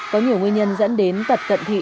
có nhiều nguyên nhân dẫn đến tật cận thị